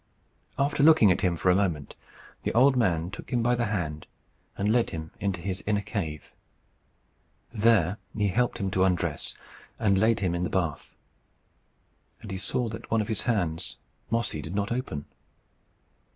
After looking at him for a moment, the old man took him by the hand and led him into his inner cave. There he helped him to undress, and laid him in the bath. And he saw that one of his hands Mossy did not open.